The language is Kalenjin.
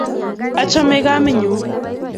Achame kamennyu.